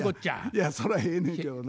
いやそれはええねんけどな